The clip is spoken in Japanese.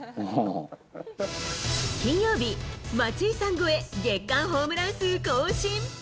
金曜日、松井さん超え、月間ホームラン数更新。